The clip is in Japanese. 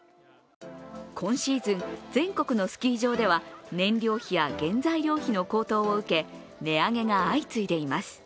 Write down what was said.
今シーズン、全国のスキー場では燃料費や原材料費の高騰を受け値上げが相次いでいます。